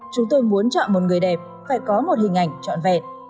chúng tôi muốn chọn một người đẹp phải có một hình ảnh trọn vẹn